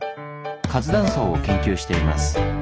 活断層を研究しています。